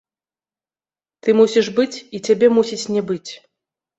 Ты мусіш быць і цябе мусіць не быць.